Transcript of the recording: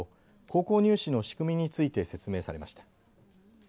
高校入試の仕組みについて説明されました。